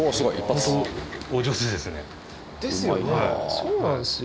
そうなんですよ。